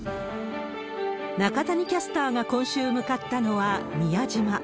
中谷キャスターが今週向かったのは、宮島。